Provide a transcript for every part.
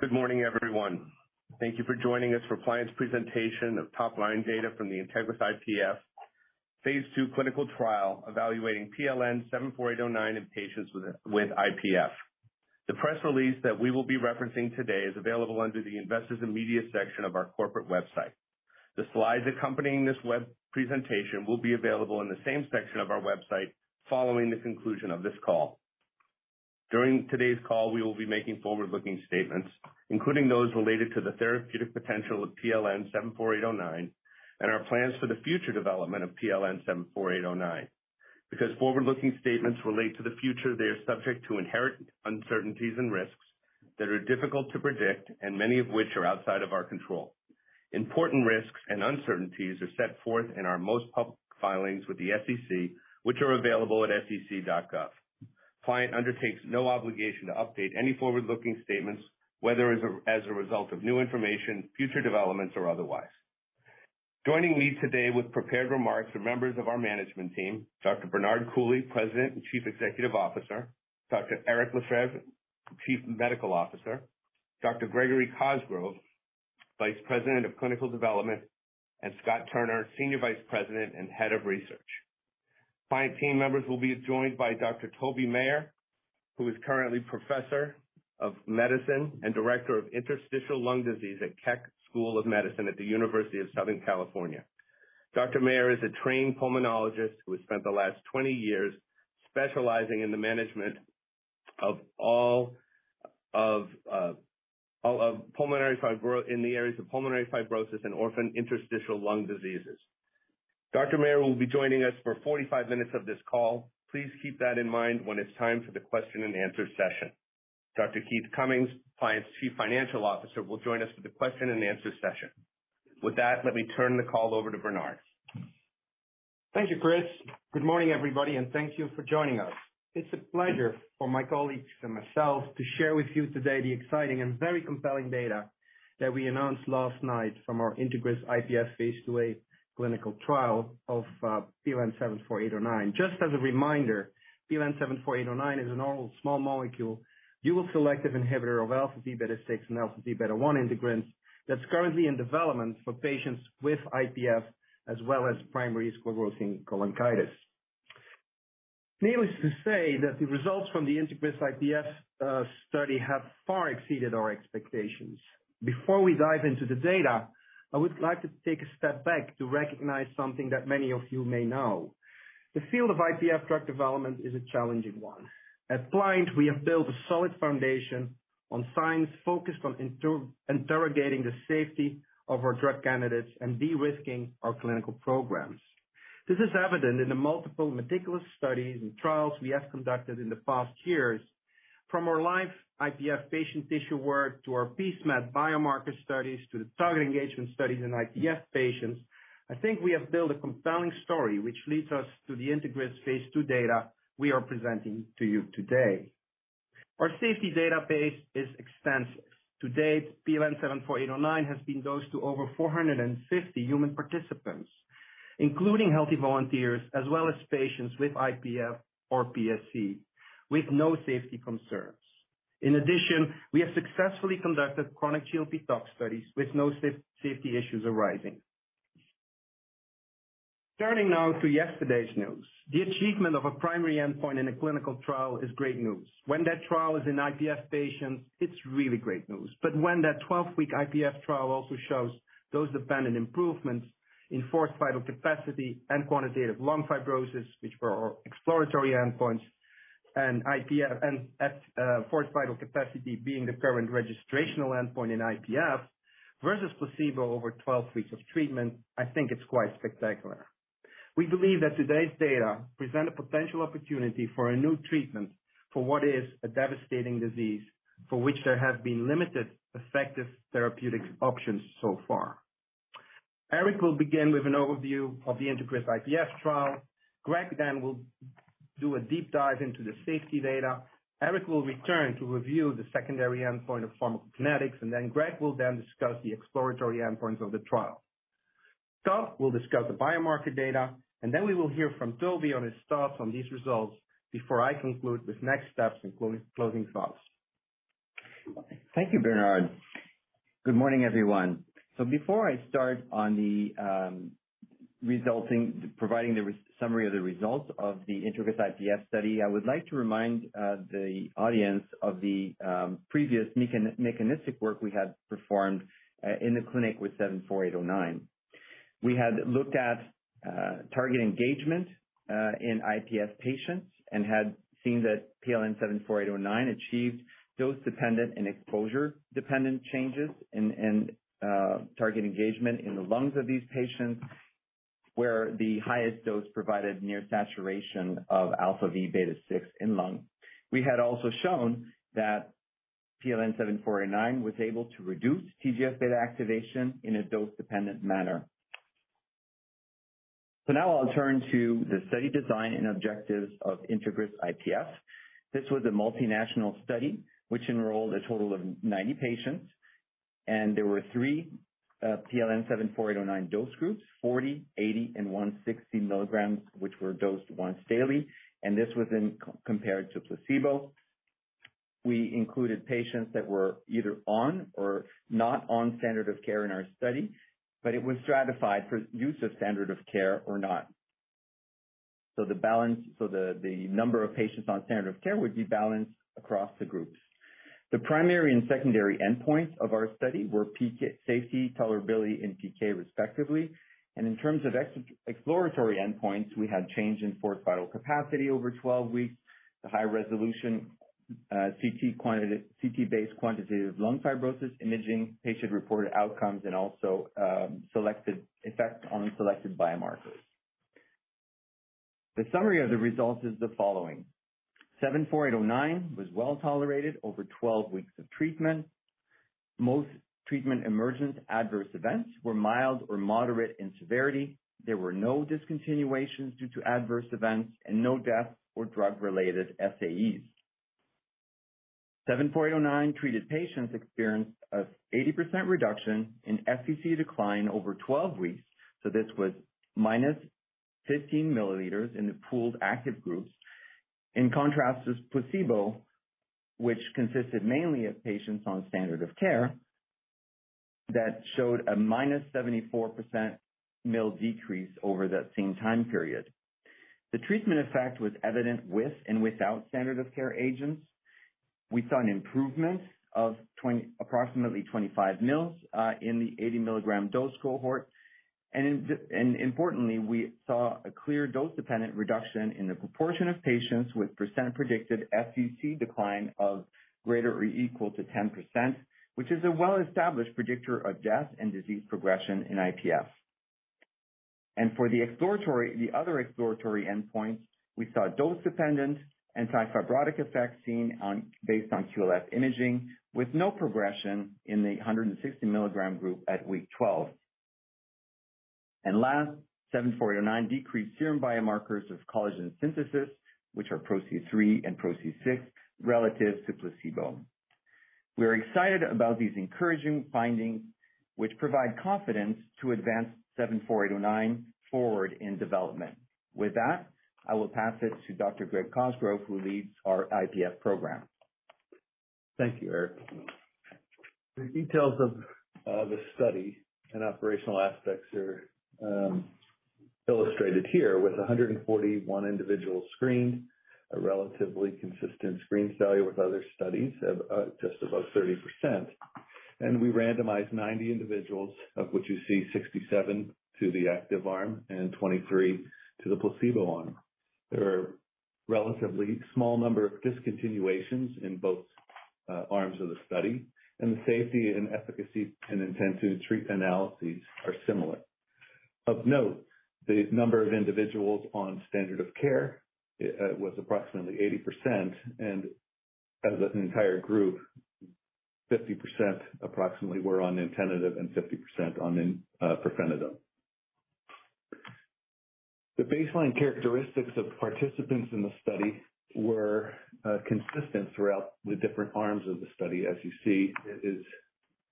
Good morning, everyone. Thank you for joining us for Pliant's presentation of top-line data from the INTEGRIS-IPF phase II clinical trial evaluating PLN-74809 in patients with IPF. The press release that we will be referencing today is available under the Investors and Media section of our corporate website. The slides accompanying this web presentation will be available in the same section of our website following the conclusion of this call. During today's call, we will be making forward-looking statements, including those related to the therapeutic potential of PLN-74809 and our plans for the future development of PLN-74809. Because forward-looking statements relate to the future, they are subject to inherent uncertainties and risks that are difficult to predict and many of which are outside of our control. Important risks and uncertainties are set forth in our most public filings with the SEC, which are available at sec.gov. Pliant undertakes no obligation to update any forward-looking statements, whether as a result of new information, future developments, or otherwise. Joining me today with prepared remarks are members of our management team, Dr. Bernard Coulie, President and Chief Executive Officer, Dr. Éric Lefebvre, Chief Medical Officer, Dr. Gregory Cosgrove, Vice President of Clinical Development, and Scott Turner, Senior Vice President and Head of Research. Pliant team members will be joined by Dr. Toby Maher, who is currently Professor of Medicine and Director of Interstitial Lung Disease at Keck School of Medicine at the University of Southern California. Dr. Maher is a trained pulmonologist who has spent the last 20 years specializing in the management of in the areas of pulmonary fibrosis and orphan interstitial lung diseases. Dr. Maher will be joining us for 45 minutes of this call. Please keep that in mind when it's time for the Q&A session. Dr. Keith Cummings, Pliant's Chief Financial Officer, will join us for the Q&A session. With that, let me turn the call over to Bernard. Thank you, Chris. Good morning, everybody, and thank you for joining us. It's a pleasure for my colleagues and myself to share with you today the exciting and very compelling data that we announced last night from our INTEGRIS-IPF phase II-A clinical trial of PLN-74809. Just as a reminder, PLN-74809 is an oral small molecule, dual selective inhibitor of α v β 6 and α v β 1 integrins that's currently in development for patients with IPF as well as Primary Sclerosing Cholangitis. Needless to say that the results from the INTEGRIS-IPF study have far exceeded our expectations. Before we dive into the data, I would like to take a step back to recognize something that many of you may know. The field of IPF drug development is a challenging one. At Pliant, we have built a solid foundation on science focused on interrogating the safety of our drug candidates and de-risking our clinical programs. This is evident in the multiple meticulous studies and trials we have conducted in the past years. From our live IPF patient tissue work, to our pSMAD biomarker studies, to the target engagement studies in IPF patients, I think we have built a compelling story, which leads us to the INTEGRIS phase II data we are presenting to you today. Our safety database is extensive. To date, PLN-74809 has been dosed to over 450 human participants, including healthy volunteers as well as patients with IPF or PSC with no safety concerns. In addition, we have successfully conducted chronic GLP tox studies with no safety issues arising. Turning now to yesterday's news. The achievement of a primary endpoint in a clinical trial is great news. When that trial is in IPF patients, it's really great news. When that 12-week IPF trial also shows dose-dependent improvements in forced vital capacity and Quantitative Lung Fibrosis, which were our exploratory endpoints, forced vital capacity being the current registrational endpoint in IPF versus placebo over 12 weeks of treatment, I think it's quite spectacular. We believe that today's data present a potential opportunity for a new treatment for what is a devastating disease for which there have been limited effective therapeutic options so far. Éric will begin with an overview of the INTEGRIS-IPF trial. Greg then will do a deep dive into the safety data. Éric will return to review the secondary endpoint of pharmacokinetics, and then Greg will discuss the exploratory endpoints of the trial. Scott will discuss the biomarker data, and then we will hear from Toby on his thoughts on these results before I conclude with next steps and closing thoughts. Thank you, Bernard. Good morning, everyone. Before I start on the summary of the results of the INTEGRIS-IPF study, I would like to remind the audience of the previous mechanistic work we had performed in the clinic with PLN-74809. We had looked at target engagement in IPF patients and had seen that PLN-74809 achieved dose-dependent and exposure-dependent changes in target engagement in the lungs of these patients, where the highest dose provided near saturation of α v β 6 in lung. We had also shown that PLN-74809 was able to reduce TGF-β activation in a dose-dependent manner. Now I'll turn to the study design and objectives of INTEGRIS-IPF. This was a multinational study which enrolled a total of 90 patients. There were three PLN-74809 dose groups, 40 mg, 80 mg, and 160 mg, which were dosed once daily. This was compared to placebo. We included patients that were either on or not on standard of care in our study, but it was stratified for use of standard of care or not. The number of patients on standard of care would be balanced across the groups. The primary and secondary endpoints of our study were PK safety, tolerability, and PK respectively. In terms of exploratory endpoints, we had change in forced vital capacity over 12 weeks, the high-resolution CT-based quantitative lung fibrosis imaging, patient-reported outcomes, and also selected effect on selected biomarkers. The summary of the results is the following: 74809 was well-tolerated over 12 weeks of treatment. Most treatment emergent adverse events were mild or moderate in severity. There were no discontinuations due to adverse events and no death or drug-related SAEs. 74809-treated patients experienced a 80% reduction in FVC decline over 12 weeks, so this was -15 mL in the pooled active groups. In contrast is placebo, which consisted mainly of patients on standard of care that showed a -74 mL decrease over that same time period. The treatment effect was evident with and without standard of care agents. We saw an improvement of approximately 25 mL in the 80 mg dose cohort. Importantly, we saw a clear dose-dependent reduction in the proportion of patients with percent predicted FVC decline of greater than or equal to 10%, which is a well-established predictor of death and disease progression in IPF. For the other exploratory endpoints, we saw dose-dependent anti-fibrotic effects based on QLF imaging, with no progression in the 160 mg group at week 12. Last, 74809 decreased serum biomarkers of collagen synthesis, which are PRO-C3 and PRO-C6, relative to placebo. We're excited about these encouraging findings, which provide confidence to advance 74809 forward in development. With that, I will pass it to Dr. Greg Cosgrove, who leads our IPF program. Thank you, Éric. The details of the study and operational aspects are illustrated here with 141 individuals screened, a relatively consistent screen value with other studies of just above 30%. We randomized 90 individuals, of which you see 67 to the active arm and 23 to the placebo arm. There are relatively small number of discontinuations in both arms of the study, and the safety and efficacy in intent-to-treat analyses are similar. Of note, the number of individuals on standard of care was approximately 80% and as an entire group, 50% approximately were on nintedanib and 50% on pirfenidone. The baseline characteristics of participants in the study were consistent throughout the different arms of the study. As you see, it is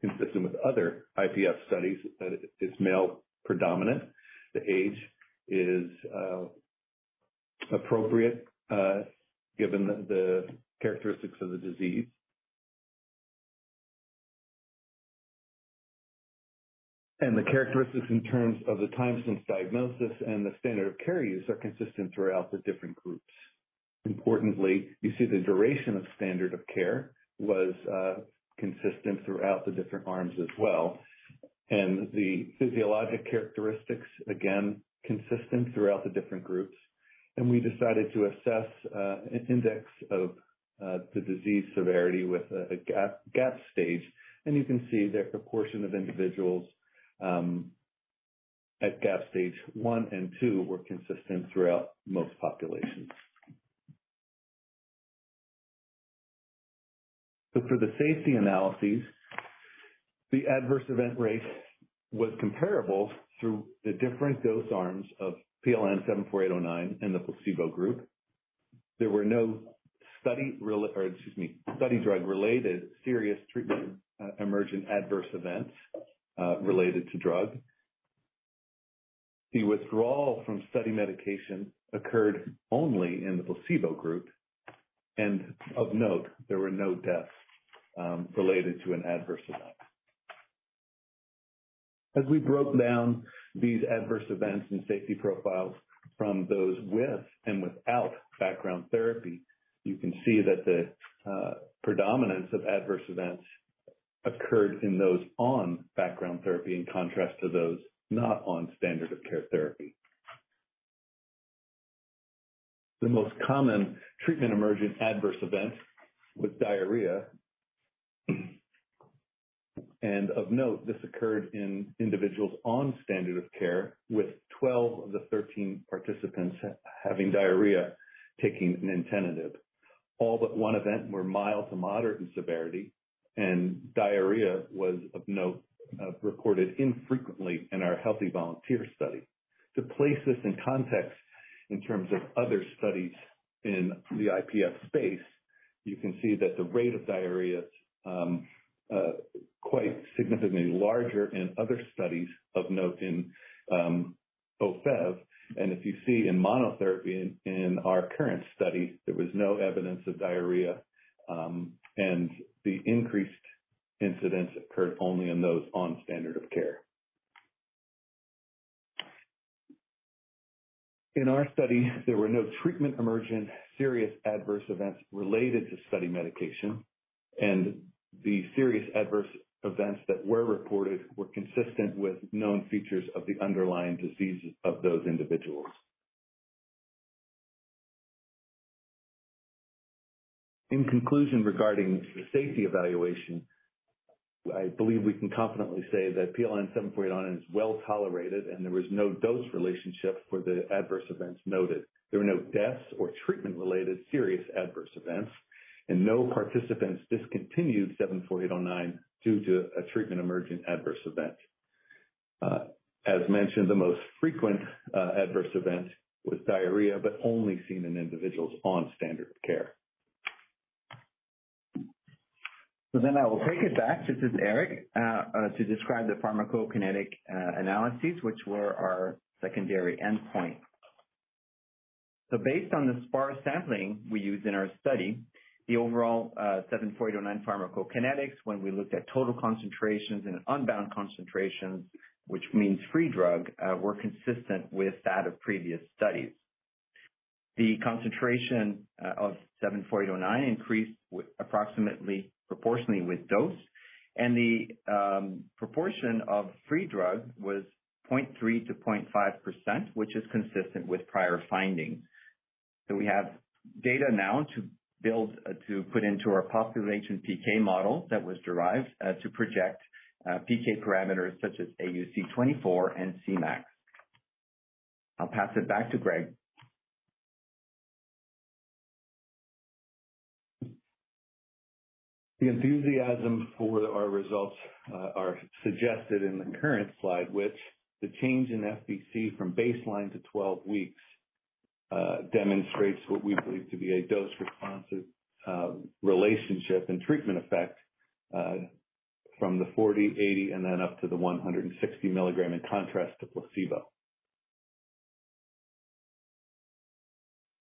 consistent with other IPF studies that it's male predominant. The age is appropriate, given the characteristics of the disease. The characteristics in terms of the time since diagnosis and the standard of care use are consistent throughout the different groups. Importantly, you see the duration of standard of care was consistent throughout the different arms as well. The physiologic characteristics, again, consistent throughout the different groups. We decided to assess an index of the disease severity with a GAP stage. You can see the proportion of individuals at GAP stage one and two were consistent throughout most populations. For the safety analyses, the adverse event rate was comparable through the different dose arms of PLN-74809 in the placebo group. There were no study drug-related serious treatment emergent adverse events related to drug. The withdrawal from study medication occurred only in the placebo group. Of note, there were no deaths related to an adverse event. As we broke down these adverse events and safety profiles from those with and without background therapy, you can see that the predominance of adverse events occurred in those on background therapy in contrast to those not on standard of care therapy. The most common treatment-emergent adverse event was diarrhea. Of note, this occurred in individuals on standard of care, with 12 of the 13 participants having diarrhea taking nintedanib. All but one event were mild to moderate in severity, and diarrhea was of note, recorded infrequently in our healthy volunteer study. To place this in context in terms of other studies in the IPF space, you can see that the rate of diarrhea is quite significantly larger in other studies of note in Ofev. If you see in monotherapy in our current study, there was no evidence of diarrhea, and the increased incidence occurred only in those on standard of care. In our study, there were no treatment-emergent serious adverse events related to study medication, and the serious adverse events that were reported were consistent with known features of the underlying disease of those individuals. In conclusion, regarding the safety evaluation, I believe we can confidently say that PLN-74809 is well-tolerated, and there was no dose relationship for the adverse events noted. There were no deaths or treatment-related serious adverse events, and no participants discontinued 74809 due to a treatment-emergent adverse event. As mentioned, the most frequent adverse event was diarrhea but only seen in individuals on standard of care. I will take it back, this is Éric to describe the pharmacokinetic analyses, which were our secondary endpoint. Based on the sparse sampling we used in our study, the overall 74809 pharmacokinetics when we looked at total concentrations and unbound concentrations, which means free drug, were consistent with that of previous studies. The concentration of 74809 increased approximately proportionally with dose, and the proportion of free drug was 0.3%-0.5%, which is consistent with prior findings. We have data now to put into our population PK model that was derived to project PK parameters such as AUC24 and Cmax. I'll pass it back to Greg. The enthusiasm for our results are suggested in the current slide, which the change in FVC from baseline to 12 weeks demonstrates what we believe to be a dose-responsive relationship and treatment effect from the 40 mg, 80 mg, and then up to the 160 mg in contrast to placebo.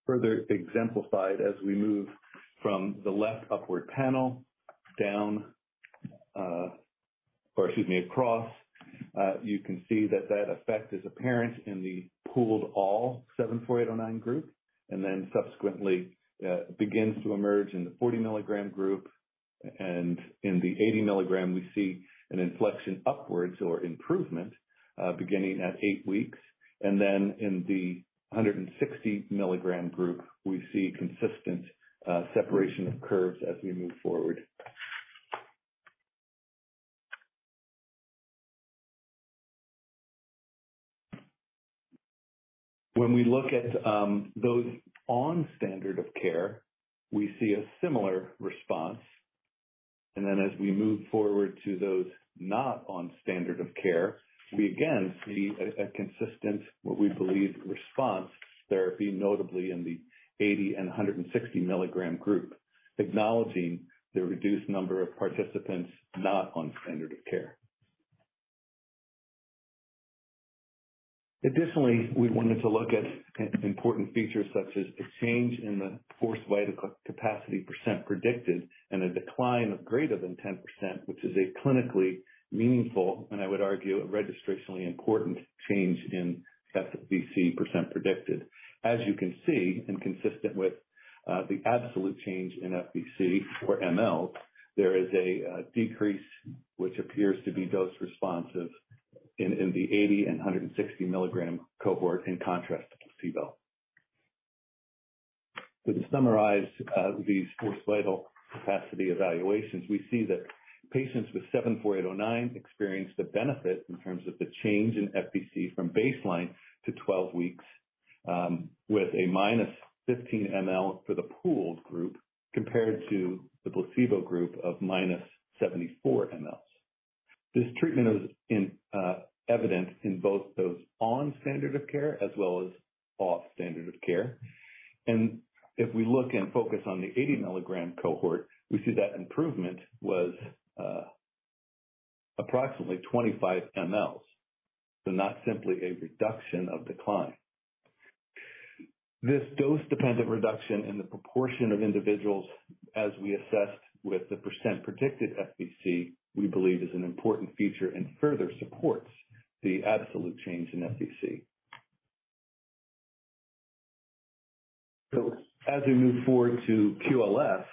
Further exemplified as we move from the left upward panel across, you can see that effect is apparent in the pooled PLN-74809 group, and then subsequently begins to emerge in the 40 mg group. In the 80 mg, we see an inflection upwards or improvement beginning at eight weeks. In the 160 mg group, we see consistent separation of curves as we move forward. When we look at those on standard of care, we see a similar response. Then as we move forward to those not on standard of care, we again see a consistent, what we believe response therapy, notably in the 80 mg and 160 mg group, acknowledging the reduced number of participants not on standard of care. Additionally, we wanted to look at important features such as a change in the forced vital capacity percent predicted and a decline of greater than 10%, which is a clinically meaningful, and I would argue, a registrationally important change in FVC percent predicted. As you can see, and consistent with, the absolute change in FVC in mL, there is a decrease which appears to be dose responsive in the 80 mg and 160 mg cohort in contrast to placebo. To summarize, these forced vital capacity evaluations, we see that patients with 74809 experienced a benefit in terms of the change in FVC from baseline to 12 weeks, with a -15 mL for the pooled group compared to the placebo group of -74 mLs. This treatment effect is evident in both those on standard of care as well as off standard of care. If we look and focus on the 80 mg cohort, we see that improvement was approximately 25 mLs, so not simply a reduction of decline. This dose-dependent reduction in the proportion of individuals as we assessed with the percent predicted FVC, we believe is an important feature and further supports the absolute change in FVC. As we move forward to QLF,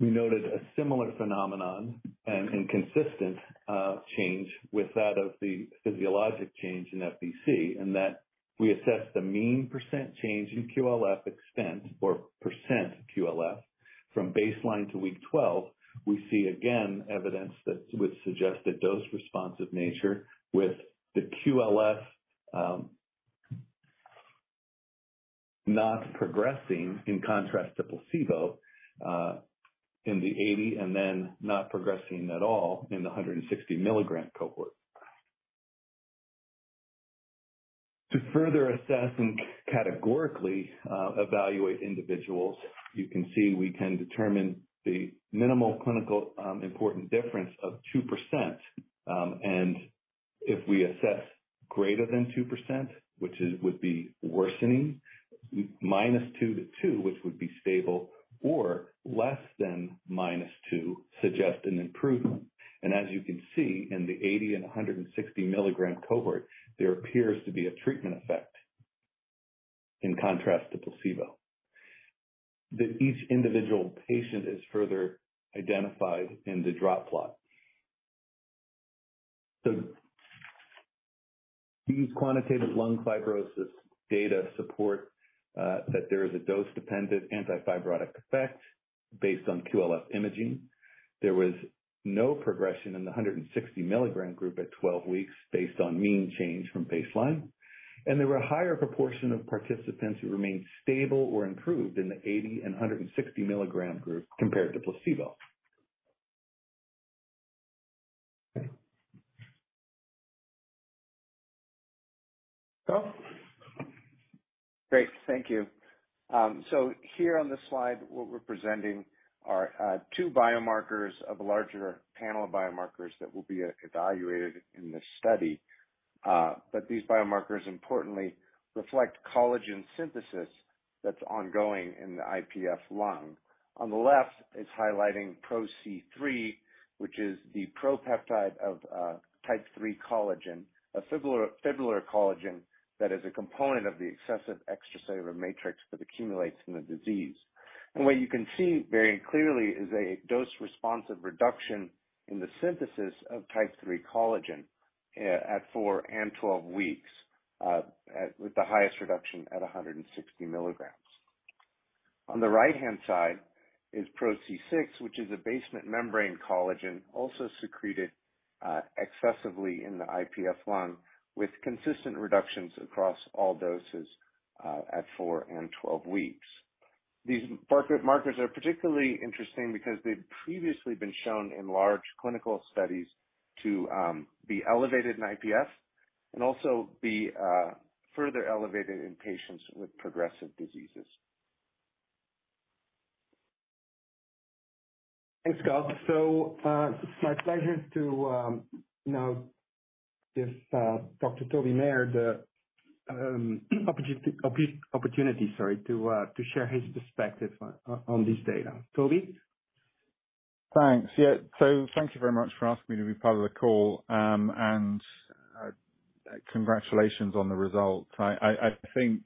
we noted a similar phenomenon and consistent change with that of the physiologic change in FVC in that we assessed the mean percent change in QLF extent or percent QLF from baseline to week 12. We see again evidence that would suggest a dose-responsive nature with the QLF, not progressing in contrast to placebo, in the 80 mg and then not progressing at all in the 160 mg cohort. To further assess and categorically evaluate individuals, you can see we can determine the minimal clinical important difference of 2%. If we assess greater than 2%, which would be worsening, -2% to 2%, which would be stable or less than -2%, suggest an improvement. As you can see in the 80 mg and 160 mg cohort, there appears to be a treatment effect in contrast to placebo. Each individual patient is further identified in the dot plot. These quantitative lung fibrosis data support that there is a dose-dependent anti-fibrotic effect based on QLF imaging. There was no progression in the 160 mg group at 12 weeks based on mean change from baseline. There were a higher proportion of participants who remained stable or improved in the 80 mg and 160 mg group compared to placebo. Scott? Great. Thank you. So here on this slide, what we're presenting are two biomarkers of a larger panel of biomarkers that will be evaluated in this study. But these biomarkers importantly reflect collagen synthesis that's ongoing in the IPF lung. On the left, it's highlighting PRO-C3, which is the propeptide of type three collagen, a fibrillar collagen that is a component of the excessive extracellular matrix that accumulates in the disease. What you can see very clearly is a dose responsive reduction in the synthesis of type three collagen at four and 12 weeks, with the highest reduction at 160 mg. On the right-hand side is PRO-C6, which is a basement membrane collagen, also secreted excessively in the IPF lung with consistent reductions across all doses at four and 12 weeks. These biomarkers are particularly interesting because they've previously been shown in large clinical studies to be elevated in IPF and also be further elevated in patients with progressive diseases. Thanks, Scott. It's my pleasure to now give Dr. Toby Maher the opportunity, sorry, to share his perspective on this data. Toby? Thanks. Yeah. Thank you very much for asking me to be part of the call, and congratulations on the results. I think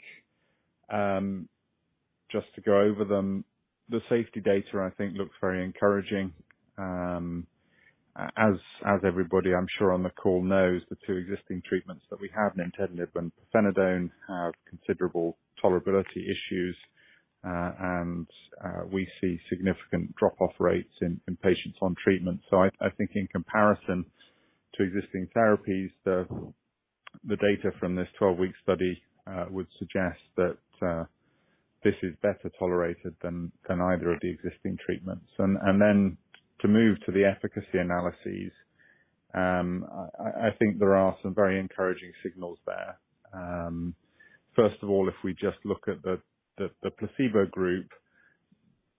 just to go over them, the safety data I think looks very encouraging. As everybody I'm sure on the call knows, the two existing treatments that we have, nintedanib and pirfenidone, have considerable tolerability issues. We see significant drop-off rates in patients on treatment. I think in comparison to existing therapies, the data from this 12-week study would suggest that this is better tolerated than either of the existing treatments. To move to the efficacy analyses, I think there are some very encouraging signals there. First of all, if we just look at the placebo group,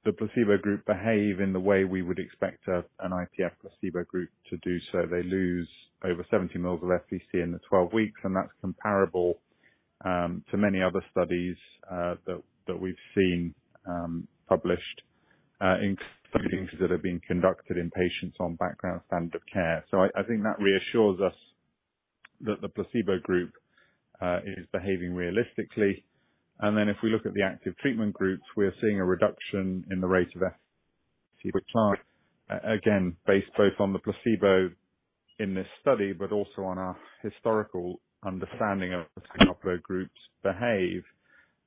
the placebo group behaves in the way we would expect an IPF placebo group to do so. They lose over 70 mL of FVC in the 12 weeks, and that's comparable to many other studies that we've seen published in studies that have been conducted in patients on background standard care. I think that reassures us that the placebo group is behaving realistically. Then if we look at the active treatment groups, we're seeing a reduction in the rate of FVC again, based both on the placebo in this study, but also on our historical understanding of how groups behave,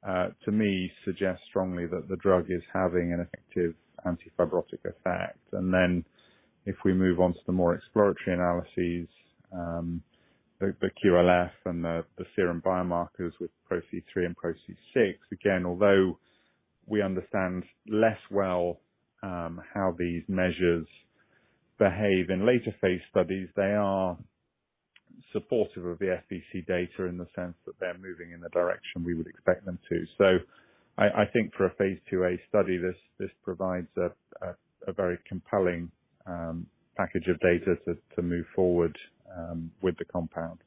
to me suggests strongly that the drug is having an effective anti-fibrotic effect. If we move on to the more exploratory analyses, the QLF and the serum biomarkers with PRO-C3 and PRO-C6, again, although we understand less well how these measures behave in later phase studies, they are supportive of the FVC data in the sense that they're moving in the direction we would expect them to. I think for a phase II-A study, this provides a very compelling package of data to move forward with the compound.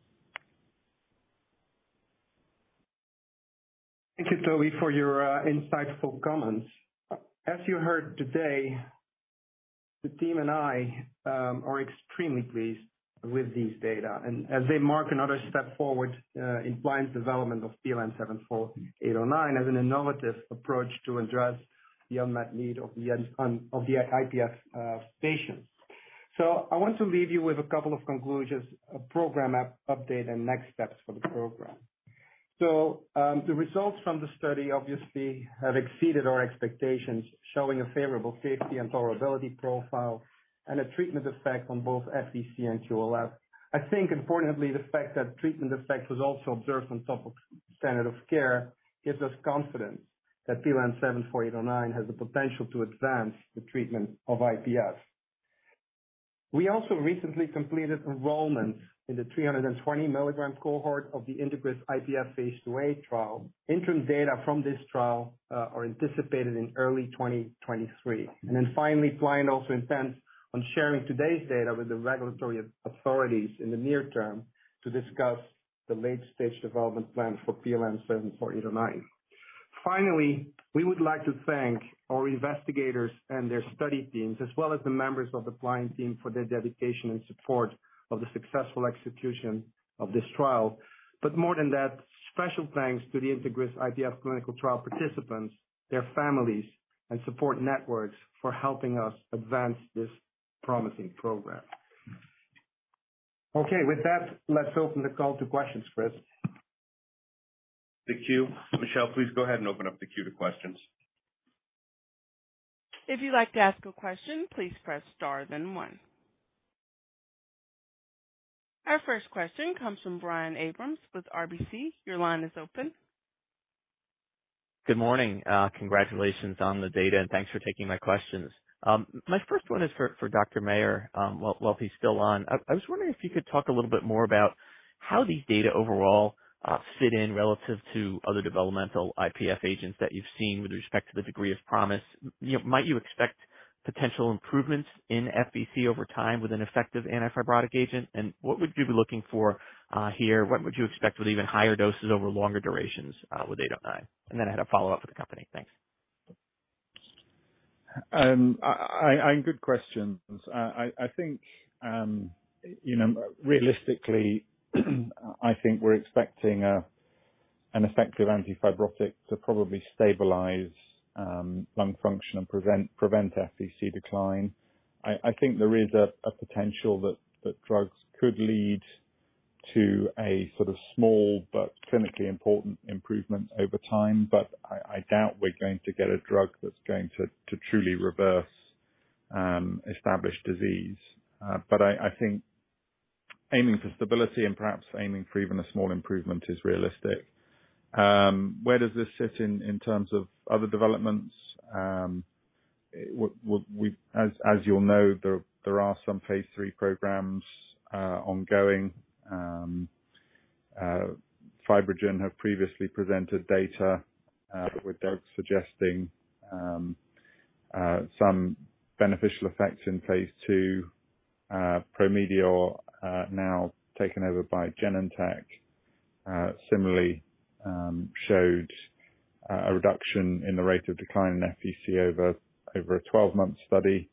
Thank you, Toby, for your insightful comments. As you heard today, the team and I are extremely pleased with these data and as they mark another step forward in Pliant development of PLN-74809 as an innovative approach to address the unmet need of the IPF patients. I want to leave you with a couple of conclusions, a program update, and next steps for the program. The results from the study obviously have exceeded our expectations, showing a favorable safety and tolerability profile and a treatment effect on both FVC and QLF. I think importantly, the fact that treatment effect was also observed on top of standard of care gives us confidence. That PLN-74809 has the potential to advance the treatment of IPF. We also recently completed enrollment in the 320 mg cohort of the INTEGRIS-IPF phase II-A trial. Interim data from this trial are anticipated in early 2023. Then finally, Pliant also intends on sharing today's data with the regulatory authorities in the near term to discuss the late-stage development plan for PLN-74809. Finally, we would like to thank our investigators and their study teams, as well as the members of the Pliant team for their dedication and support of the successful execution of this trial. More than that, special thanks to the INTEGRIS-IPF clinical trial participants, their families and support networks for helping us advance this promising program. Okay. With that, let's open the call to questions, Chris. The queue. Michelle, please go ahead and open up the queue to questions. If you'd like to ask a question, please press star then one. Our first question comes from Brian Abrahams with RBC. Your line is open. Good morning. Congratulations on the data, and thanks for taking my questions. My first one is for Dr. Maher, while he's still on. I was wondering if you could talk a little bit more about how these data overall fit in relative to other developmental IPF agents that you've seen with respect to the degree of promise. You know, might you expect potential improvements in FVC over time with an effective anti-fibrotic agent? And what would you be looking for here? What would you expect with even higher doses over longer durations with 809? And then I had a follow-up for the company. Thanks. Good questions. I think you know, realistically, I think we're expecting an effective anti-fibrotic to probably stabilize lung function and prevent FVC decline. I think there is a potential that drugs could lead to a sort of small but clinically important improvement over time. I doubt we're going to get a drug that's going to truly reverse established disease. I think aiming for stability and perhaps aiming for even a small improvement is realistic. Where does this sit in terms of other developments? As you'll know, there are some phase III programs ongoing. FibroGen have previously presented data with drugs suggesting some beneficial effects in phase II. Promedior, now taken over by Genentech, similarly, showed a reduction in the rate of decline in FVC over a 12-month study.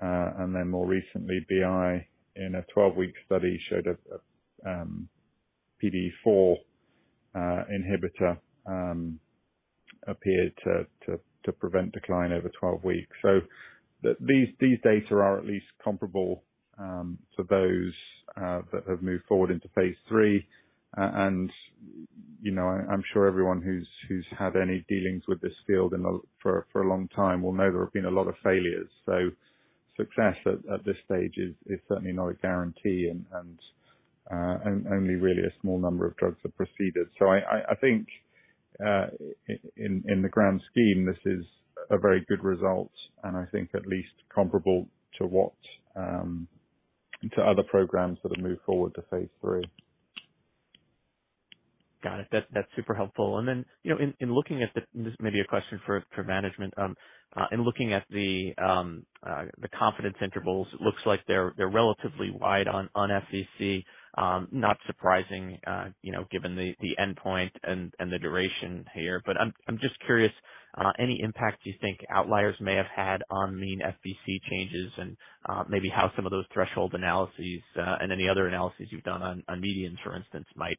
Then more recently, BI in a 12-week study showed a PDE4 inhibitor appeared to prevent decline over 12 weeks. These data are at least comparable to those that have moved forward into phase III. You know, I'm sure everyone who's had any dealings with this field for a long time will know there have been a lot of failures. Success at this stage is certainly not a guarantee and only really a small number of drugs have proceeded. I think in the grand scheme, this is a very good result, and I think at least comparable to what to other programs that have moved forward to phase III. Got it. That's super helpful. This may be a question for management. In looking at the confidence intervals, it looks like they're relatively wide on FVC. Not surprising, you know, given the endpoint and the duration here. I'm just curious, any impact you think outliers may have had on mean FVC changes and maybe how some of those threshold analyses and any other analyses you've done on medians, for instance, might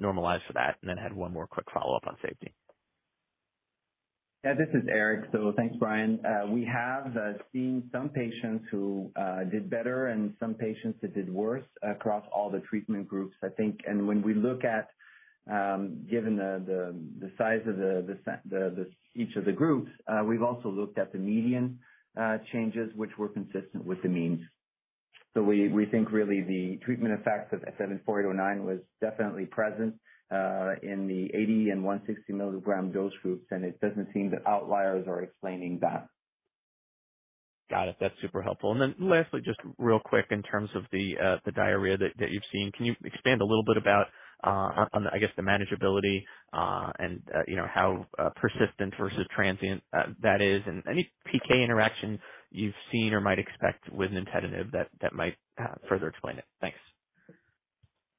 normalize for that. I had one more quick follow-up on safety. Yeah. This is Éric. Thanks, Brian. We have seen some patients who did better and some patients that did worse across all the treatment groups, I think. When we look at, given the size of each of the groups, we've also looked at the median changes which were consistent with the means. We think really the treatment effects of 74809 was definitely present in the 80 mg and 160 mg dose groups, and it doesn't seem that outliers are explaining that. Got it. That's super helpful. Lastly, just real quick in terms of the diarrhea that you've seen, can you expand a little bit about on I guess the manageability and you know how persistent versus transient that is, and any PK interaction you've seen or might expect with nintedanib that might further explain it? Thanks.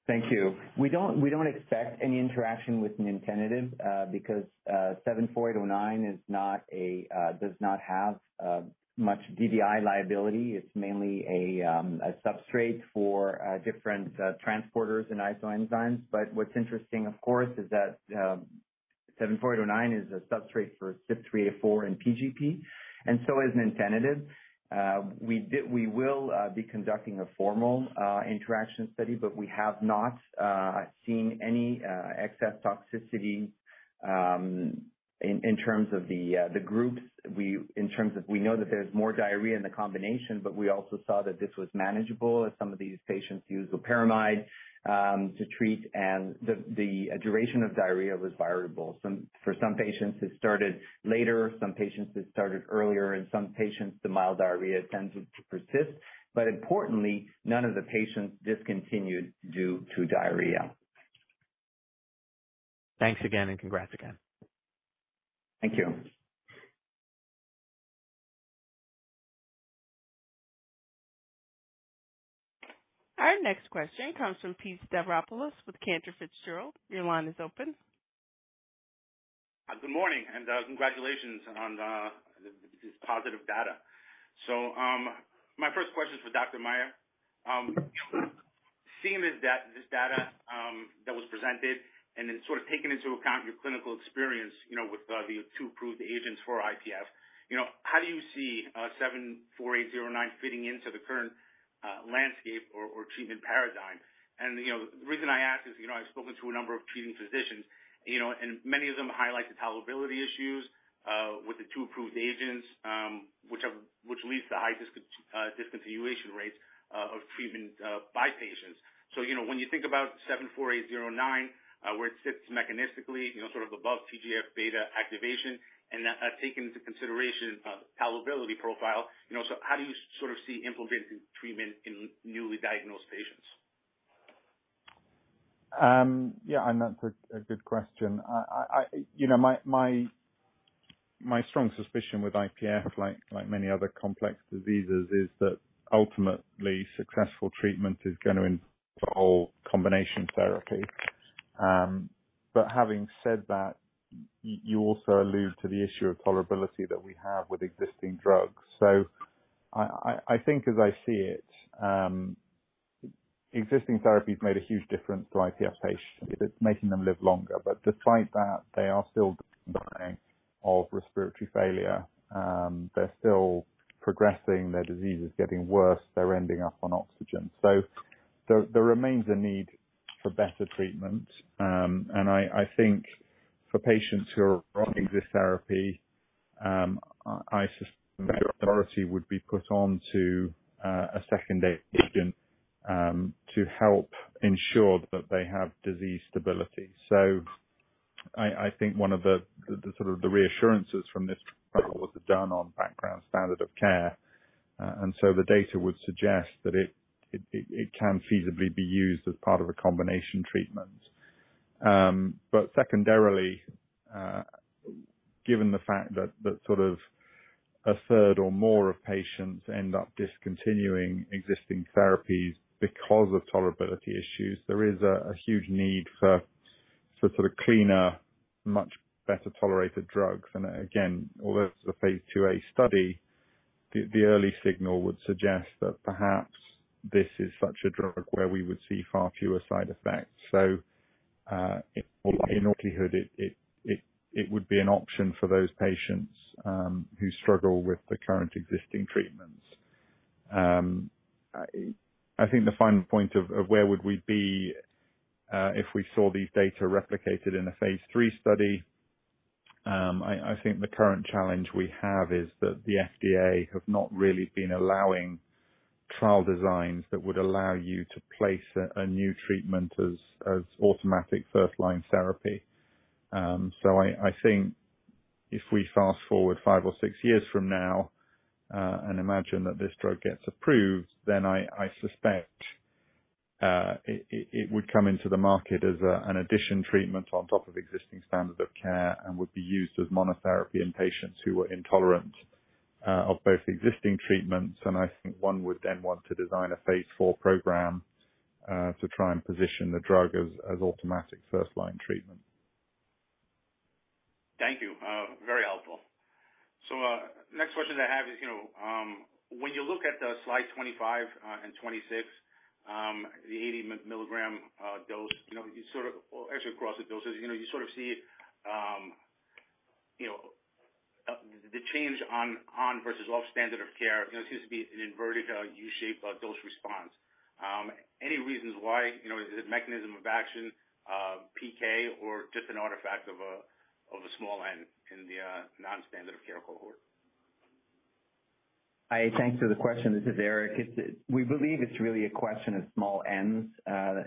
Thank you. We don't expect any interaction with nintedanib because 74809 does not have much DDI liability. It's mainly a substrate for different transporters and isoenzymes. What's interesting, of course, is that 74809 is a substrate for CYP3A4 and PGP, and so is nintedanib. We will be conducting a formal interaction study, but we have not seen any excess toxicity in terms of the groups. In terms of, we know that there's more diarrhea in the combination, but we also saw that this was manageable as some of these patients used loperamide to treat. The duration of diarrhea was variable. For some patients, it started later, some patients, it started earlier, in some patients, the mild diarrhea tended to persist. Importantly, none of the patients discontinued due to diarrhea. Thanks again and congrats again. Thank you. Our next question comes from Pete Stavropoulos with Cantor Fitzgerald. Your line is open. Good morning, and congratulations on this positive data. My first question is for Dr. Maher. Seeing this data that was presented and then sort of taking into account your clinical experience, you know, with the two approved agents for IPF, you know, how do you see 74809 fitting into the current landscape or treatment paradigm? The reason I ask is, you know, I've spoken to a number of treating physicians, you know, and many of them highlight the tolerability issues with the two approved agents, which leads to high discontinuation rates of treatment by patients. You know, when you think about 74809, where it sits mechanistically, you know, sort of above TGF-β activation and take into consideration tolerability profile, you know. How do you sort of see implementing treatment in newly diagnosed patients? That's a good question. You know, my strong suspicion with IPF, like many other complex diseases, is that ultimately successful treatment is gonna involve combination therapy. Having said that, you also allude to the issue of tolerability that we have with existing drugs. I think as I see it, existing therapies have made a huge difference to IPF patients. It's making them live longer. Despite that, they are still dying of respiratory failure. They're still progressing. Their disease is getting worse. They're ending up on oxygen. There remains a need for better treatment. I think for patients who are on this therapy, I suspect they would be put on to a second agent, to help ensure that they have disease stability. I think one of the sort of reassurances from this trial was done on background standard of care. The data would suggest that it can feasibly be used as part of a combination treatment. Secondarily, given the fact that sort of a third or more of patients end up discontinuing existing therapies because of tolerability issues, there is a huge need for sort of cleaner, much better-tolerated drugs. Again, although it's a phase II-A study, the early signal would suggest that perhaps this is such a drug where we would see far fewer side effects. In all likelihood, it would be an option for those patients who struggle with the current existing treatments. I think the final point of where would we be if we saw these data replicated in a phase III study. I think the current challenge we have is that the FDA have not really been allowing trial designs that would allow you to place a new treatment as automatic first-line therapy. I think if we fast-forward five or six years from now and imagine that this drug gets approved, then I suspect it would come into the market as an add-on treatment on top of existing standard of care and would be used as monotherapy in patients who are intolerant of both existing treatments. I think one would then want to design a phase IV program to try and position the drug as automatic first-line treatment. Thank you. Very helpful. Next question I have is, you know, when you look at slide 25 and 26, the 80 mg dose, you know, you sort of or actually across the doses, you know, you sort of see, you know, the change on versus off standard of care, you know, seems to be an inverted U-shaped dose response. Any reasons why? You know, is it mechanism of action, PK or just an artifact of a small N in the non-standard of care cohort? Thanks for the question. This is Éric. We believe it's really a question of small Ns.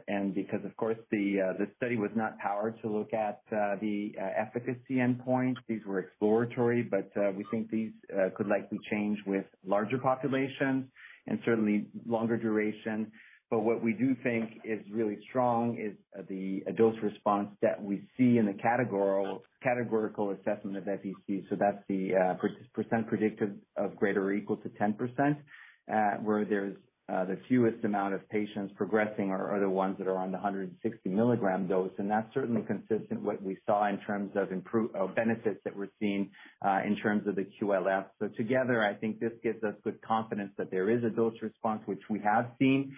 And because of course the study was not powered to look at the efficacy endpoint. These were exploratory, but we think these could likely change with larger populations and certainly longer duration. But what we do think is really strong is the dose response that we see in the categorical assessment of FVC. So that's the percent predicted of greater or equal to 10%, where there's the fewest amount of patients progressing are the ones that are on the 160 mgdose. And that's certainly consistent what we saw in terms of benefits that we're seeing in terms of the QLF. Together, I think this gives us good confidence that there is a dose response which we have seen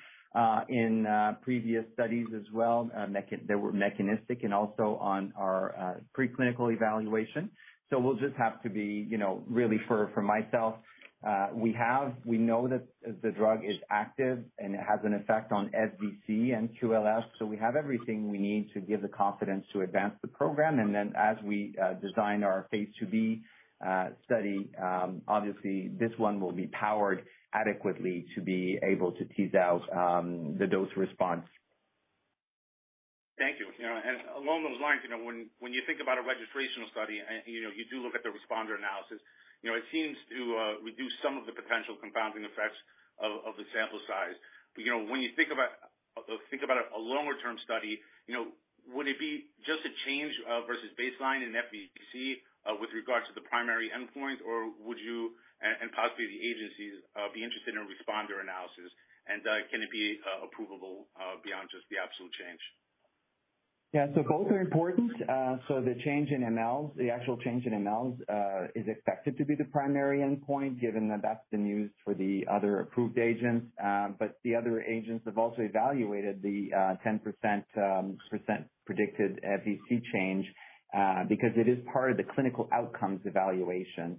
in previous studies as well, that were mechanistic and also on our preclinical evaluation. We'll just have to be, you know, really for myself, we know that the drug is active and it has an effect on FVC and QLF. We have everything we need to give the confidence to advance the program. Then as we design our phase II-B study, obviously this one will be powered adequately to be able to tease out the dose response. You know, along those lines, you know, when you think about a registrational study and, you know, you do look at the responder analysis, you know, it seems to reduce some of the potential compounding effects of the sample size. You know, when you think about a longer term study, you know, would it be just a change versus baseline in FVC with regards to the primary endpoint, or would you and possibly the agencies be interested in responder analysis? Can it be approvable beyond just the absolute change? Yeah. Both are important. The change in mL, the actual change in mL, is expected to be the primary endpoint, given that that's been used for the other approved agents. The other agents have also evaluated the 10% predicted FVC change, because it is part of the clinical outcomes evaluation.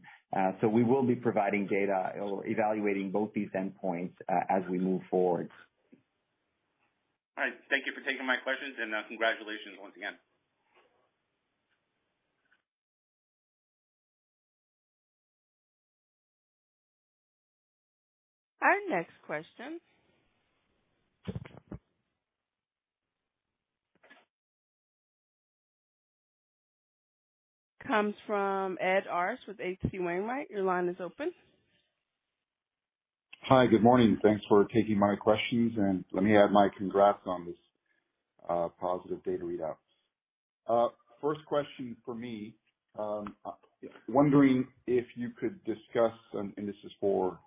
We will be providing data or evaluating both these endpoints as we move forward. All right. Thank you for taking my questions and, congratulations once again. Our next question comes from Ed Arce with H.C. Wainwright. Your line is open. Hi. Good morning. Thanks for taking my questions, and let me add my congrats on this positive data readout. First question for me, wondering if you could discuss, and this is for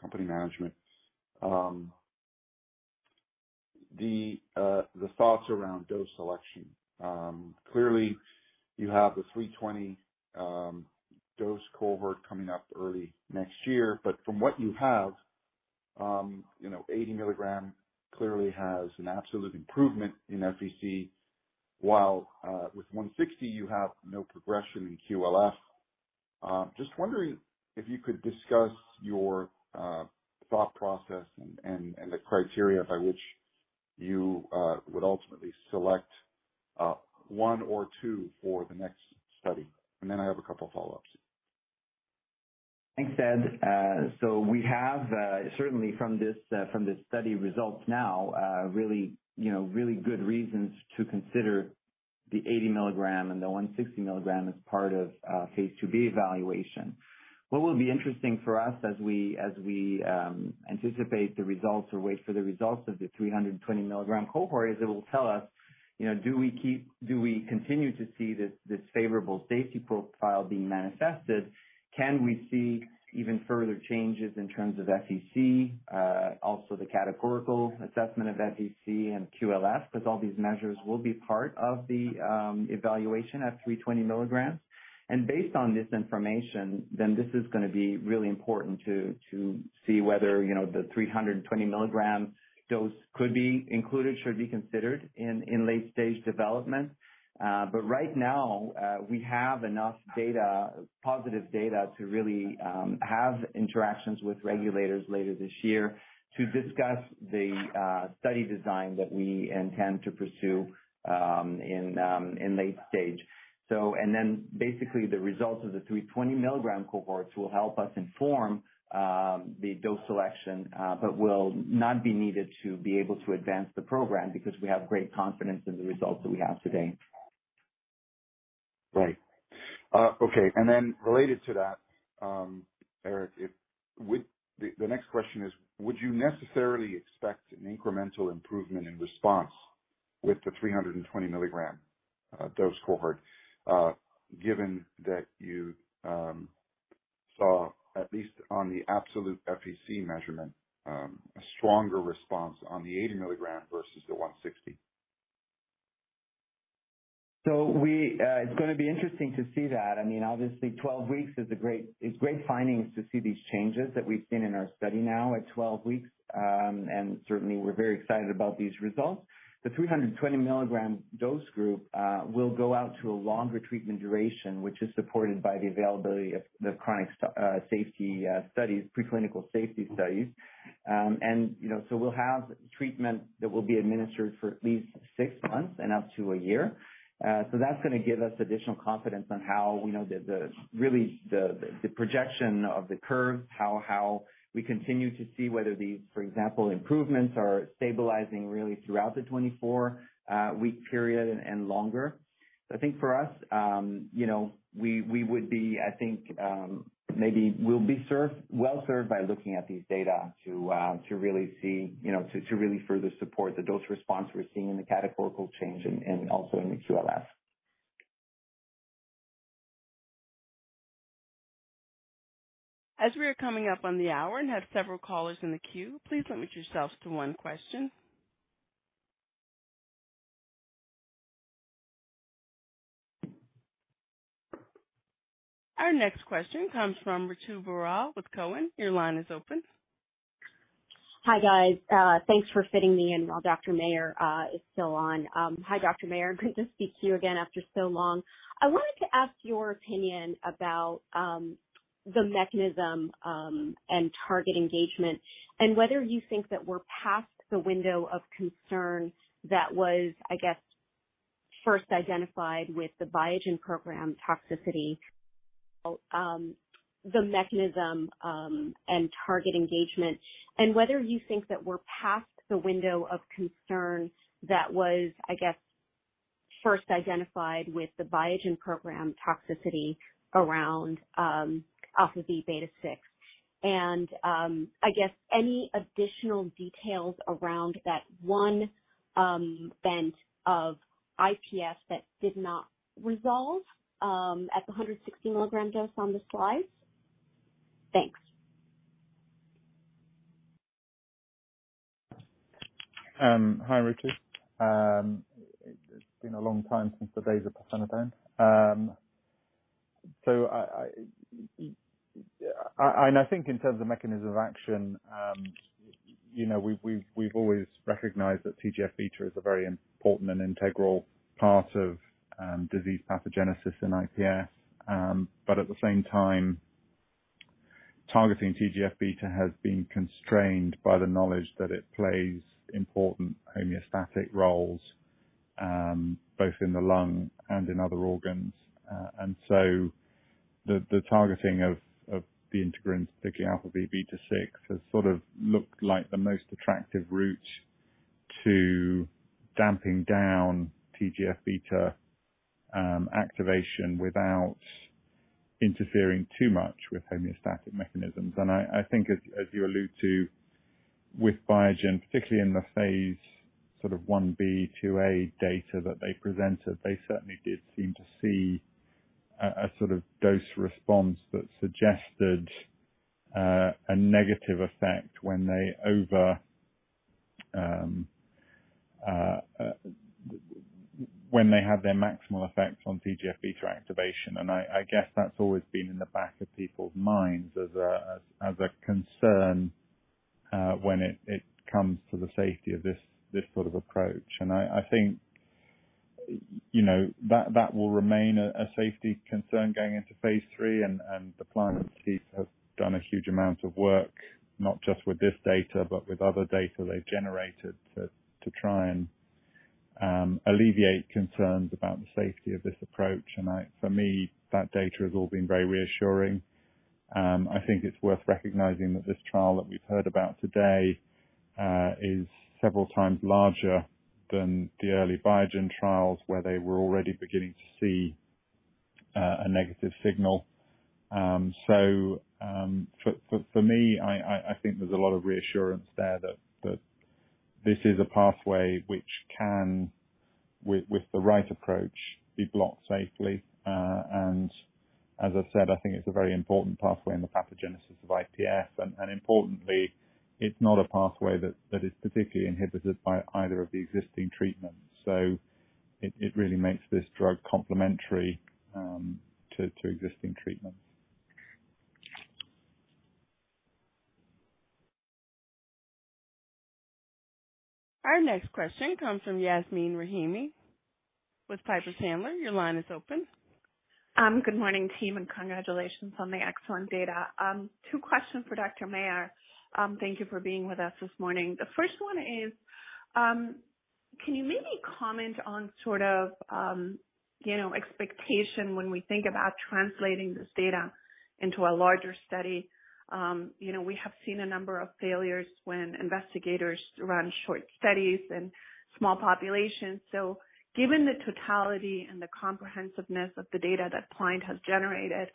company management, the thoughts around dose selection. Clearly you have the 320 dose cohort coming up early next year, but from what you have, you know, 80 mg clearly has an absolute improvement in FVC, while with 160 mg you have no progression in QLF. Just wondering if you could discuss your thought process and the criteria by which you would ultimately select one or two for the next study. I have a couple follow-ups. Thanks, Ed. So we have certainly from this study results now really you know really good reasons to consider the 80 mg and the 160 mg as part of phase II-B evaluation. What will be interesting for us as we anticipate the results or wait for the results of the 320 mg cohort is it will tell us you know do we continue to see this favorable safety profile being manifested? Can we see even further changes in terms of FVC? Also the categorical assessment of FVC and QLF because all these measures will be part of the evaluation at 320 mg. Based on this information, then this is gonna be really important to see whether, you know, the 320 mg dose could be included, should be considered in late stage development. But right now, we have enough data, positive data to really have interactions with regulators later this year to discuss the study design that we intend to pursue in late stage. Basically the results of the 320 mg cohorts will help us inform the dose selection, but will not be needed to be able to advance the program because we have great confidence in the results that we have today. Right. Éric, the next question is, would you necessarily expect an incremental improvement in response with the 320 mg dose cohort, given that you saw, at least on the absolute FVC measurement, a stronger response on the 80 mg versus the 160 mg? It's gonna be interesting to see that. I mean, obviously 12 weeks is a great finding to see these changes that we've seen in our study now at 12 weeks. Certainly we're very excited about these results. The 320 mg dose group will go out to a longer treatment duration, which is supported by the availability of the preclinical safety studies. You know, we'll have treatment that will be administered for at least six months and up to a year. That's gonna give us additional confidence on how we know the projection of the curve, how we continue to see whether these, for example, improvements are stabilizing really throughout the 24-week period and longer. I think for us, you know, we would be, I think, maybe we'll be well served by looking at these data to really see, you know, to really further support the dose response we're seeing in the categorical change and also in the QLF. As we are coming up on the hour and have several callers in the queue, please limit yourselves to one question. Our next question comes from Ritu Baral with Cowen. Your line is open. Hi, guys. Thanks for fitting me in while Dr. Maher is still on. Hi, Dr. Maher. Great to speak to you again after so long. I wanted to ask your opinion about the mechanism and target engagement and whether you think that we're past the window of concern that was, I guess, first identified with the Biogen program toxicity. The mechanism, and target engagement, and whether you think that we're past the window of concern that was, I guess, first identified with the Biogen program toxicity around, α v β 6. I guess any additional details around that one, event of IPF that did not resolve, at the 160 milligram dose on the slide. Thanks. Hi, Ritu. It's been a long time since the days of [Persantin]. I think in terms of mechanism of action, you know, we've always recognized that TGF-β is a very important and integral part of disease pathogenesis in IPF. But at the same time, targeting TGF-β has been constrained by the knowledge that it plays important homeostatic roles both in the lung and in other organs. The targeting of the integrins, particularly α v β 6, has sort of looked like the most attractive route to damping down TGF-β activation without interfering too much with homeostatic mechanisms. I think as you allude to with Biogen, particularly in the phase sort of I-B, II-A data that they presented, they certainly did seem to see a sort of dose response that suggested a negative effect when they had their maximal effect on TGF-β activation. I guess that's always been in the back of people's minds as a concern when it comes to the safety of this sort of approach. I think, you know, that will remain a safety concern going into phase III. Pliant's teams have done a huge amount of work, not just with this data, but with other data they've generated to try and alleviate concerns about the safety of this approach. For me, that data has all been very reassuring. I think it's worth recognizing that this trial that we've heard about today is several times larger than the early Biogen trials, where they were already beginning to see a negative signal. For me, I think there's a lot of reassurance there that this is a pathway which can, with the right approach, be blocked safely. As I said, I think it's a very important pathway in the pathogenesis of IPF. Importantly, it's not a pathway that is particularly inhibited by either of the existing treatments. It really makes this drug complementary to existing treatments. Our next question comes from Yasmeen Rahimi with Piper Sandler. Your line is open. Good morning, team, and congratulations on the excellent data. Two questions for Dr. Maher. Thank you for being with us this morning. The first one is, can you maybe comment on sort of, you know, expectation when we think about translating this data into a larger study? You know, we have seen a number of failures when investigators run short studies in small populations. Given the totality and the comprehensiveness of the data that Pliant has generated,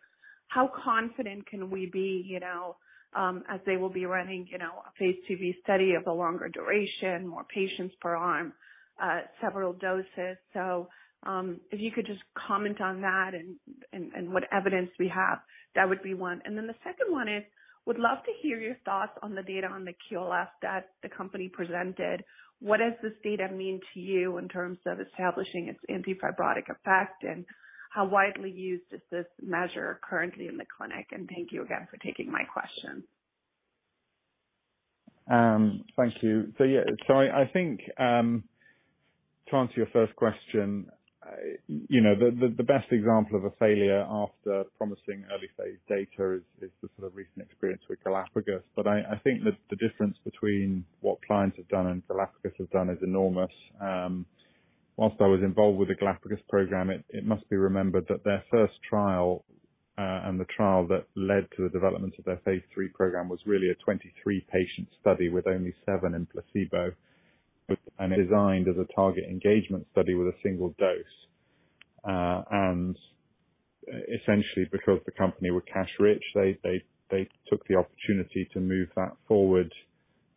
how confident can we be, you know, as they will be running, you know, a phase II-B study of a longer duration, more patients per arm, several doses. If you could just comment on that and what evidence we have, that would be one. The second one is, would love to hear your thoughts on the data on the QLF that the company presented. What does this data mean to you in terms of establishing its antifibrotic effect, and how widely used is this measure currently in the clinic? Thank you again for taking my question. Thank you. I think to answer your first question, you know, the best example of a failure after promising early phase data is the sort of recent experience with Galapagos. I think that the difference between what Pliant has done and Galapagos has done is enormous. While I was involved with the Galapagos program, it must be remembered that their first trial and the trial that led to the development of their phase III program was really a 23-patient study with only seven in placebo, and designed as a target engagement study with a single dose. Essentially because the company were cash rich, they took the opportunity to move that forward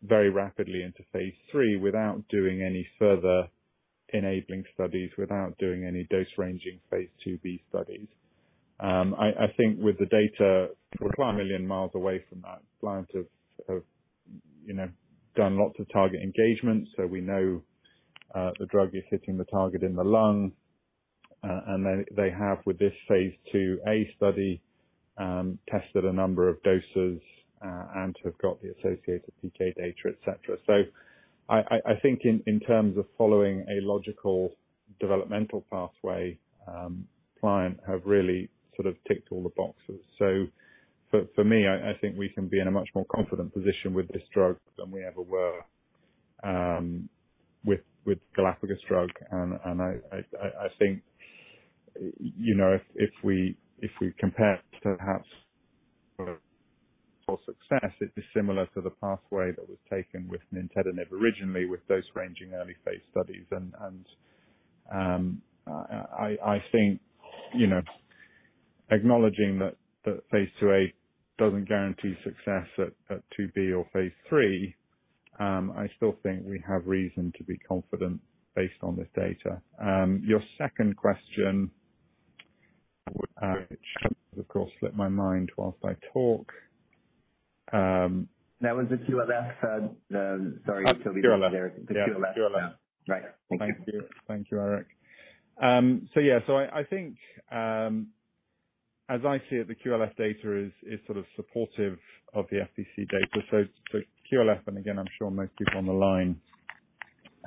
very rapidly into phase III without doing any further enabling studies, without doing any dose ranging phase II-B studies. I think with the data, we're a million miles away from that. Pliant has, you know, done lots of target engagement, so we know the drug is hitting the target in the lung. They have, with this phase II-A study, tested a number of doses, and have got the associated PK data, et cetera. I think in terms of following a logical developmental pathway, Pliant has really sort of ticked all the boxes. For me, I think we can be in a much more confident position with this drug than we ever were with Galapagos drug. I think you know, if we compare perhaps for success, it'd be similar to the pathway that was taken with nintedanib originally with dose ranging early phase studies. I think you know, acknowledging that phase II-A doesn't guarantee success at II-B or phase III, I still think we have reason to be confident based on this data. Your second question, which of course slipped my mind while I talk. That was the QLF. Sorry, Toby. QLF. The QLF. Yeah, QLF. Right. Thank you. Thank you, Éric. Yeah. I think, as I see it, the QLF data is sort of supportive of the FVC data. QLF, and again, I'm sure most people on the line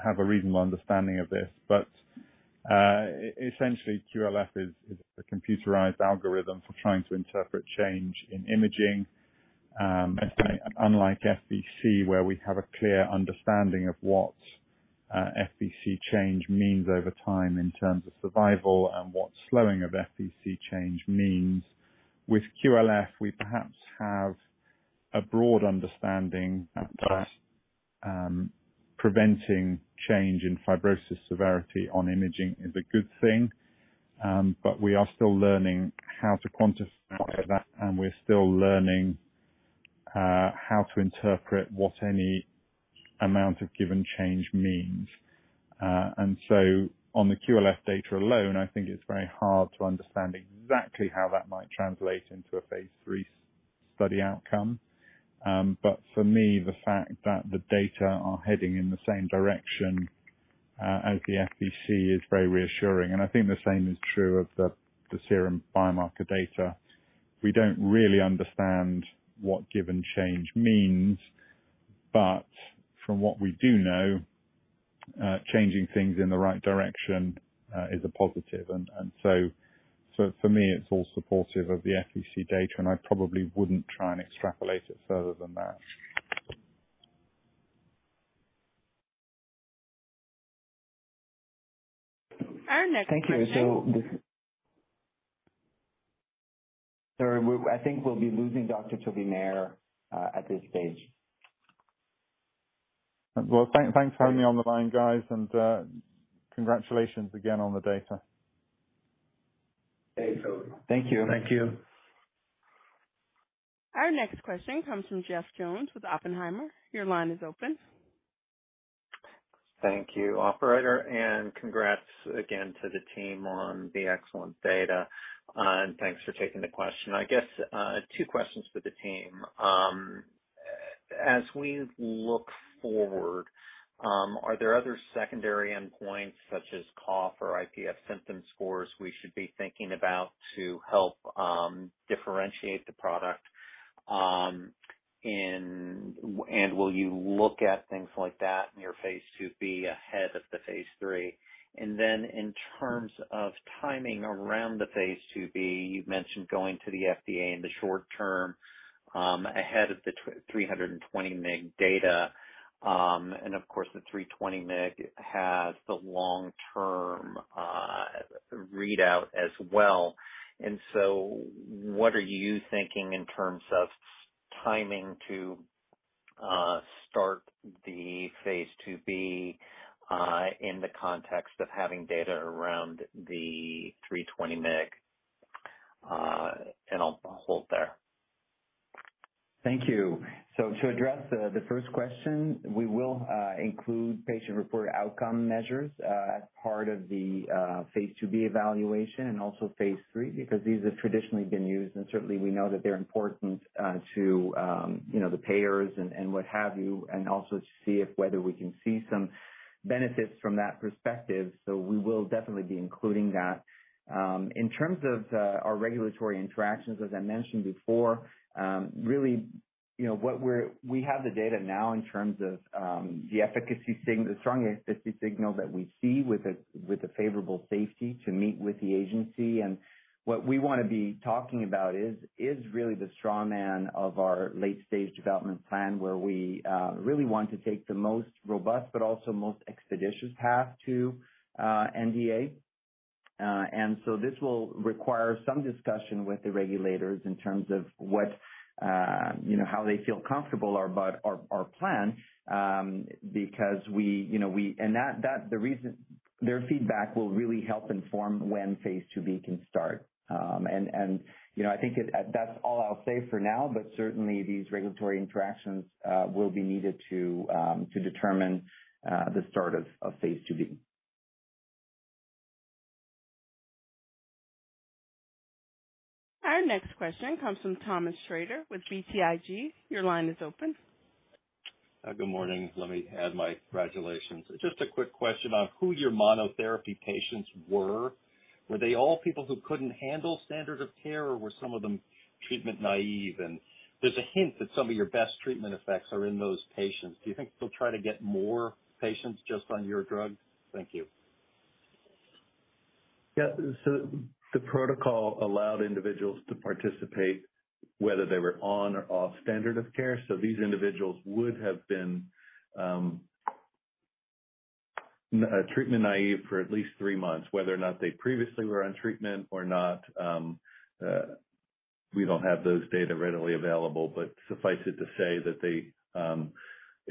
have a reasonable understanding of this, but essentially QLF is a computerized algorithm for trying to interpret change in imaging, unlike FVC, where we have a clear understanding of what FVC change means over time in terms of survival and what slowing of FVC change means. With QLF, we perhaps have a broad understanding that preventing change in fibrosis severity on imaging is a good thing. We are still learning how to quantify that, and we're still learning how to interpret what any amount of given change means. On the QLF data alone, I think it's very hard to understand exactly how that might translate into a phase III study outcome. For me, the fact that the data are heading in the same direction as the FVC is very reassuring. I think the same is true of the serum biomarker data. We don't really understand what given change means, but from what we do know, changing things in the right direction is a positive. For me, it's all supportive of the FVC data, and I probably wouldn't try and extrapolate it further than that. Our next question. Thank you. Sorry, I think we'll be losing Dr. Toby Maher at this stage. Well, thanks for having me on the line, guys, and congratulations again on the data. Thanks, Toby. Thank you. Thank you. Our next question comes from Jeff Jones with Oppenheimer. Your line is open. Thank you, operator, and congrats again to the team on the excellent data. Thanks for taking the question. I guess, two questions for the team. As we look forward, are there other secondary endpoints such as cough or IPF symptom scores we should be thinking about to help differentiate the product? Will you look at things like that in your phase II-B ahead of the phase III? Then in terms of timing around the phase II-B, you've mentioned going to the FDA in the short term ahead of the 320 mg data. Of course, the 320 mg has the long-term readout as well. What are you thinking in terms of timing to start the phase II-B in the context of having data around the 320 mg? I'll halt there. Thank you. To address the first question, we will include patient-reported outcome measures as part of the phase II-B evaluation and also phase III, because these have traditionally been used and certainly we know that they're important to you know, the payers and what have you, and also to see if whether we can see some benefits from that perspective. We will definitely be including that. In terms of our regulatory interactions, as I mentioned before, really you know, we have the data now in terms of the strong efficacy signal that we see with a favorable safety to meet with the agency. What we wanna be talking about is really the strong arm of our late-stage development plan, where we really want to take the most robust but also most expeditious path to NDA. This will require some discussion with the regulators in terms of what you know, how they feel comfortable about our plan. That's the reason their feedback will really help inform when phase II-B can start. You know, I think that's all I'll say for now, but certainly these regulatory interactions will be needed to determine the start of phase II-B. Our next question comes from Thomas Shrader with BTIG. Your line is open. Good morning. Let me add my congratulations. Just a quick question on who your monotherapy patients were. Were they all people who couldn't handle standard of care, or were some of them treatment naive? There's a hint that some of your best treatment effects are in those patients. Do you think they'll try to get more patients just on your drug? Thank you. Yeah. The protocol allowed individuals to participate, whether they were on or off standard of care. These individuals would have been treatment naive for at least three months, whether or not they previously were on treatment or not. We don't have those data readily available, but suffice it to say that they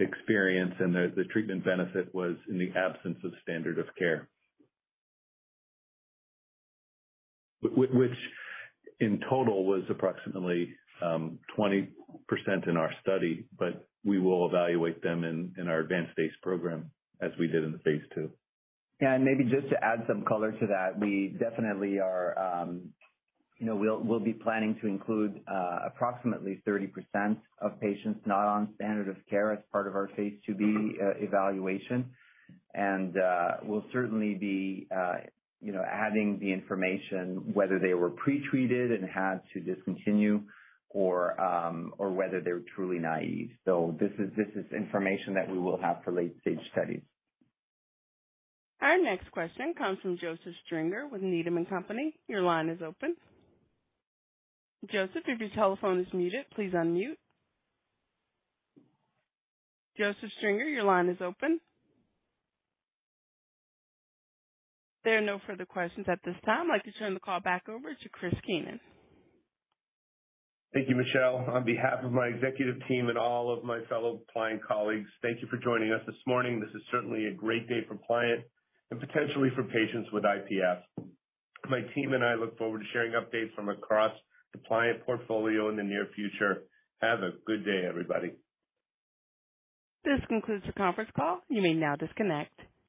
experienced the treatment benefit was in the absence of standard of care. Which in total was approximately 20% in our study, but we will evaluate them in our advanced phase program as we did in the phase II. Yeah. Maybe just to add some color to that, we definitely are, you know, we'll be planning to include approximately 30% of patients not on standard of care as part of our phase II-B evaluation. We'll certainly be, you know, adding the information whether they were pre-treated and had to discontinue or whether they're truly naive. This is information that we will have for late-stage studies. Our next question comes from Joseph Stringer with Needham & Company. Your line is open. Joseph, if your telephone is muted, please unmute. Joseph Stringer, your line is open. There are no further questions at this time. I'd like to turn the call back over to Chris Keenan. Thank you, Michelle. On behalf of my executive team and all of my fellow Pliant colleagues, thank you for joining us this morning. This is certainly a great day for Pliant and potentially for patients with IPF. My team and I look forward to sharing updates from across the Pliant portfolio in the near future. Have a good day, everybody. This concludes the conference call. You may now disconnect.